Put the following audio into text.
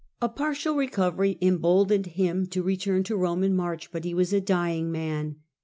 A partial recovery emboldened him to return to Rome in March, but he was a dying man.